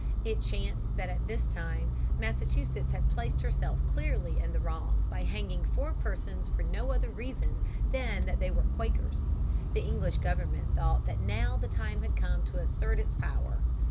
It chanced that at this time Massachusetts had placed herself clearly in the wrong by hanging four persons for no other reason than that they were Quakers. The English government thought that now the time had come to assert its power.